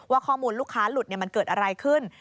ว่าข้อมูลลูกค้าหลุดเนี่ยมันเกิดอะไรขึ้น